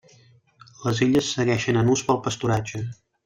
Les illes segueixen en ús per al pasturatge.